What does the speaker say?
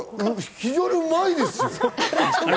非常にうまいですよ。